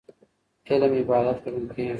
علم عبادت ګڼل کېږي.